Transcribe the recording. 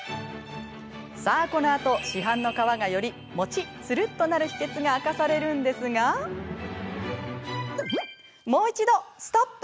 さあ、このあと市販の皮がよりもちっ、つるっとなる秘けつが明かされるんですがもう一度、ストップ！